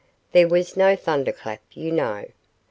"There was no thunderclap, you know."